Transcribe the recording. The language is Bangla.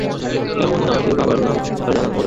এমন না যে বাবার নাম তার অজানা।